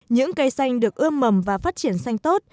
những cây xanh được ươm mầm và phát triển xanh tốt